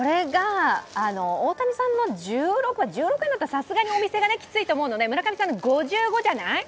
大谷さんの１６はさすがにお店がきついと思うので村上さんの５５じゃない？